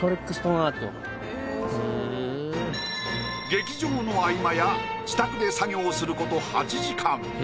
劇場の合間や自宅で作業すること。